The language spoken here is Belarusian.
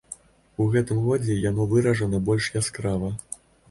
У гэтым годзе яно выражана больш яскрава.